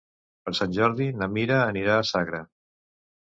Per Sant Jordi na Mira anirà a Sagra.